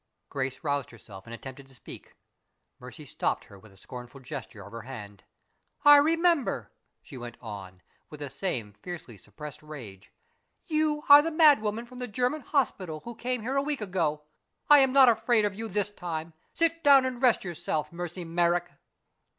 Grace roused herself and attempted to speak. Mercy stopped her with a scornful gesture of her hand. "I remember!" she went on, with the same fiercely suppressed rage. "You are the madwoman from the German hospital who came here a week ago. I am not afraid of you this time. Sit down and rest yourself, Mercy Merrick."